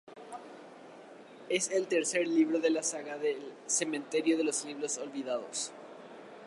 Es el tercer libro de la saga del "Cementerio de los libros olvidados".